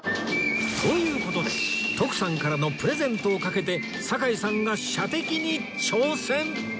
という事で徳さんからのプレゼントをかけて堺さんが射的に挑戦！